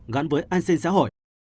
gắn với an sinh xã hội